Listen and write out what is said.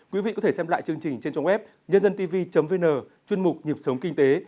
quý vị có thể xem lại chương trình trên trang web nhândantv vn chuyên mục nhịp sống kinh tế